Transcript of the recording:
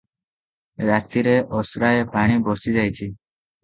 ରାତିରେ ଅସ୍ରାଏ ପାଣି ବର୍ଷିଯାଇଛି ।